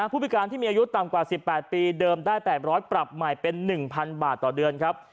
ผู้พิการที่มีอายุต่ำกว่าสิบแปดปีเดิมได้แปดร้อยปรับใหม่เป็นหนึ่งพันบาทต่อเดือนครับ